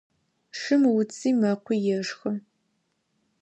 Шым уци мэкъуи ешхы.